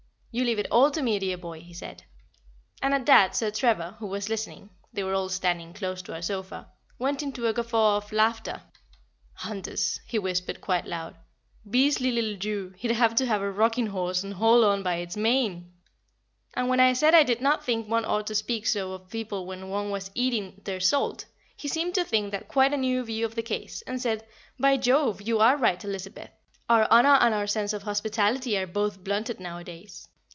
"You leave it all to me, dear boy," he said; and at that Sir Trevor, who was listening (they were all standing close to our sofa) went into a guffaw of laughter. "Hunters," he whispered, quite loud, "beastly little Jew, he'd have to have a rocking horse, and hold on by its mane." And when I said I did not think one ought to speak so of people when one was eating their salt, he seemed to think that quite a new view of the case, and said, "By Jove! you are right, Elizabeth. Our honour and our sense of hospitality are both blunted nowadays."